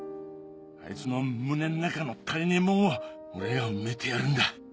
あいつの胸の中の足りねえもんを俺が埋めてやるんだ。